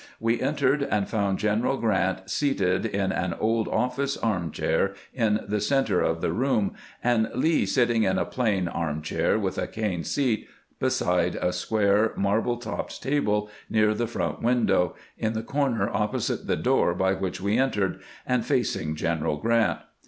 We entered, and found General Grant seated in an old office arm TABLE AT WHICH LEE SAT. MEETING BETWEEN GRANT AND LEE 473 cliair in the center of the room, and Lee sitting in a plain arm cliair witli a cane seat beside a square, marble topped table near the front window, in the corner opposite the door by which we entered, and facing G eneral Q rant.